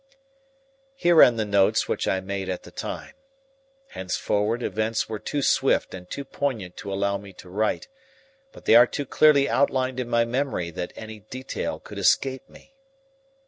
Here end the notes which I made at the time. Henceforward events were too swift and too poignant to allow me to write, but they are too clearly outlined in my memory that any detail could escape me.